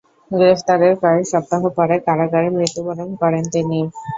গ্রেফতারের কয়েক সপ্তাহ পরে কারাগারে মৃত্যুবরণ করেন তিনি।